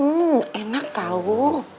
hmm enak kau